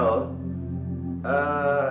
saya ingin mencari teman